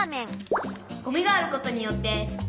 「ゴミがあることによって」。